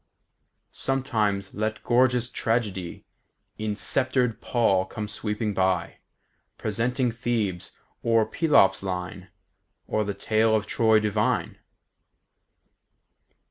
··· Sometime let gorgeous Tragedy In sceptred pall come sweeping by, Presenting Thebes, or Pelops' line, Or the tale of Troy divine."